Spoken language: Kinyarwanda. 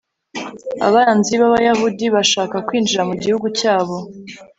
abanzi b'abayahudi bashaka kwinjira mu gihugu cyabo